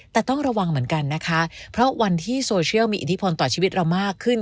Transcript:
แต่ต้องระวังเหมือนกันนะคะเพราะวันที่โซเชียลมีอิทธิพลต่อชีวิตเรามากขึ้น